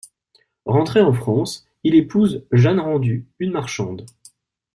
Rentré en France, il épouse Jeanne Rendu, une marchande.